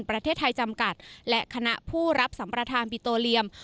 ประเทศไทยจำกัดและคณะผู้รับสัมประธานบิโตเรียม